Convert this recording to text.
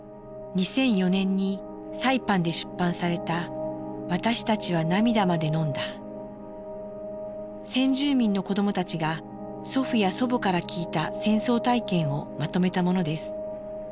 ２００４年にサイパンで出版された先住民の子どもたちが祖父や祖母から聞いた戦争体験をまとめたものです。